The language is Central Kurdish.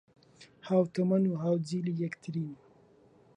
ھاوتەمەن و ھاوجیلی یەکترین